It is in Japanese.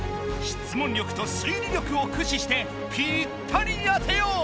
質問力と推理力をくししてぴったり当てよう！